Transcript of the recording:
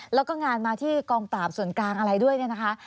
แล้วก็งานมาที่กองปราบส่วนกลางอะไรด้วยเนี่ยนะคะ